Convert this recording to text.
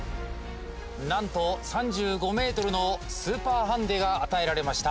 なんと３５ｍのスーパーハンデが与えられました。